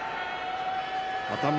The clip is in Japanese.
熱海